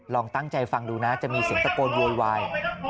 ลองตั้งใจฟังดูนะจะมีเสียงตะโกนโวยวาย